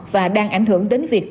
và đang ảnh hưởng đến việc tưng